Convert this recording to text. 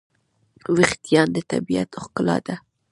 وېښتيان د طبیعت ښکلا ده.